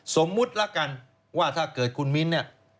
สมมุติแล้วกันว่าถ้าเกิดคุณมิ้น